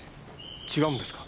違うんですか？